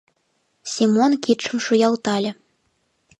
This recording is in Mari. Семон кидшым шуялтале